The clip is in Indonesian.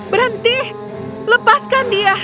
berhenti lepaskan dia